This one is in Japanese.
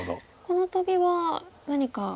このトビは何か。